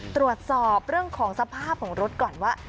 ตรวจสอบเรื่องของสภาพของรถก่อนว่า